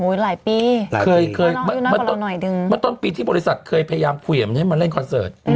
หูยหลายปีมาต้นปีที่บริษัทเคยพยายามข่วยมันให้มันเล่นคอนเสิร์ต